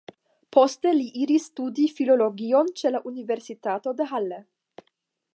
Poste li iris studi filologion ĉe la Universitato de Halle.